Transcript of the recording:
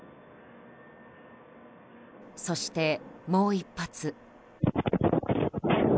そして、もう一発。